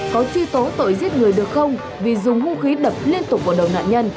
có truy tố tội giết người được không vì dùng hung khí đập liên tục vào đầu nạn nhân